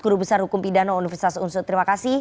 guru besar hukum pidana universitas unsus terima kasih